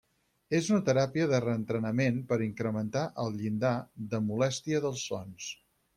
És una teràpia de reentrenament per incrementar el llindar de molèstia dels sons.